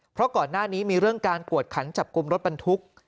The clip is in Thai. เพราะก่อนหน้านี้มีเรื่องการกวดขันจับกลุ่มรถบรรทุก